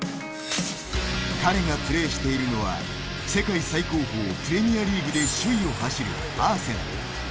彼がプレーしているのは世界最高峰プレミアリーグで首位を走るアーセナル。